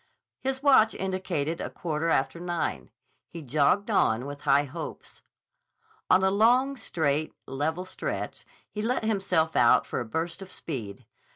His watch indicated a quarter after nine. He jogged on with high hopes. On a long, straight, level stretch he let himself out for a burst of speed.